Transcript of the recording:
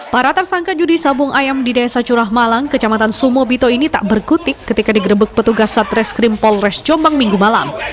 para tersangka judi sabung ayam di desa curah malang kecamatan sumobito ini tak berkutik ketika digerebek petugas satreskrim polres jombang minggu malam